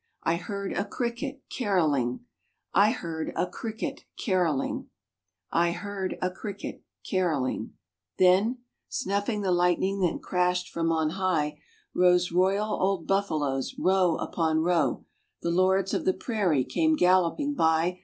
I heard a cricket carolling, I heard a cricket carolling, I heard a cricket carolling. Then ... Snuffing the lightning that crashed from on high [ 200 1 RAINBOW GOLD Rose royal old buffaloes, row upon row. The lords of the prairie came galloping by.